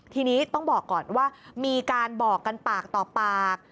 ทีนี้ต้องบอกก่อนว่ามีการบอกกันปากต่อปาก